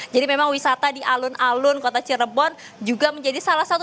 jadi memang wisata di alun alun kota cirebon juga menjadi salah satu